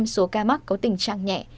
chín mươi năm số ca mắc có tình trạng nhẹ